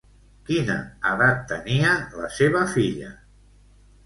Quina edat tenia la seva filla?